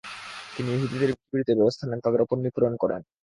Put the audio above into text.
তিনি ইহুদিদের বিরুদ্ধে ব্যবস্থা নেন তাদের ওপর নিপীড়ন করেন।